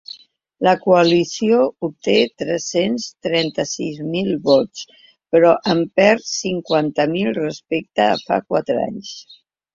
La coalició obté tres-cents trenta-sis mil vots, però en perd cinquanta mil respecte a fa quatre anys.